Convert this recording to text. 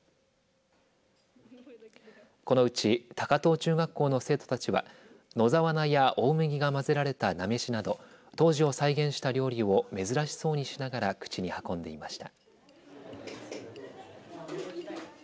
このうち高遠中学校の生徒たちは野沢菜や大麦が混ぜられた菜めしなど当時を再現した料理を珍しそうにしながら口に運んでいました。